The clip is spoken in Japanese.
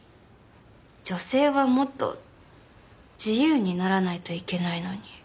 女性はもっと自由にならないといけないのに。